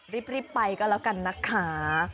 รีบไปก็แล้วกันนะคะ